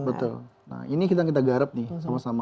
betul nah ini yang kita garap nih sama sama